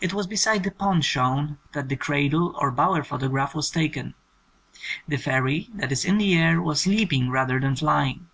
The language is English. It was beside the pond shown that the 'cradle' or bower photograph was taken. The fairy that is in the air was leaping rather than flying.